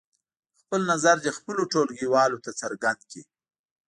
خپل نظر دې خپلو ټولګیوالو ته څرګند کړي.